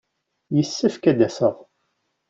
Yessefk ad d-aseɣ.